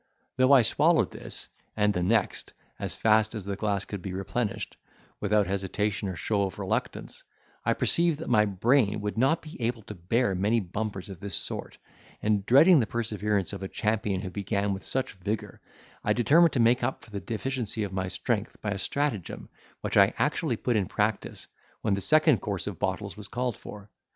Though I swallowed this, and the next, as fast as the glass could be replenished, without hesitation or show of reluctance, I perceived that my brain would not be able to bear many bumpers of this sort, and dreading the perseverance of a champion who began with such vigour, I determined to make up for the deficiency of my strength by a stratagem, which I actually put in practice when the second course of bottles was called for.